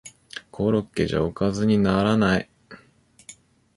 コロッケじゃおかずにならない